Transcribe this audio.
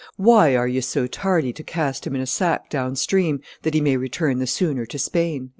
Why are ye so tardy to cast him in a sack down stream, that he may return the sooner to Spain?"